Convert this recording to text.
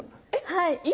はい。